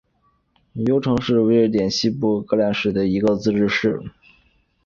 尤城市是瑞典西部西约塔兰省的一个自治市。